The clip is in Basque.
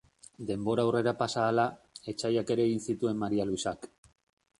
Denbora aurrera pasa ahala, etsaiak ere egin zituen Maria Luisak.